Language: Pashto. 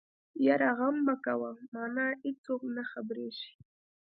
يره غم مکوه مانه ايڅوک نه خبرېږي.